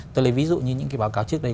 tôi lấy ví dụ như những cái báo cáo trước đây